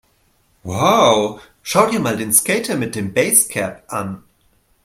Wow, schau dir mal den Skater mit dem Basecap an!